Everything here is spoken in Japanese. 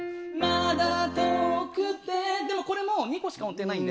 でもこれも２個しか音程ないんで。